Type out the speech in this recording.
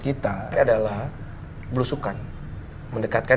kecuali kalau gak sengaja ya